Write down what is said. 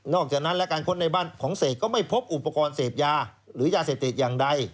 จากนั้นและการค้นในบ้านของเสกก็ไม่พบอุปกรณ์เสพยาหรือยาเสพติดอย่างใด